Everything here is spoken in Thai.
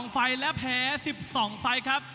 ๓๒ไฟและแผล๑๒ไฟครับ